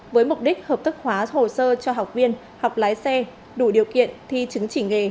với mục đích hợp thức hóa hồ sơ cho học viên học lái xe đủ điều kiện thi chứng chỉ nghề